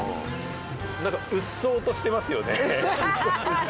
何かうっそうとしてますよね。